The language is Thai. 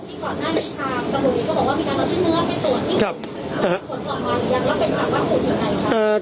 ครับที่ก่อนหน้านี้ทางกระดูกนี้ก็บอกว่าพี่นัทสนทึกเนื้อไปตรวจที่